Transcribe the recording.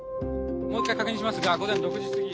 もう一回確認しますが午前６時すぎ。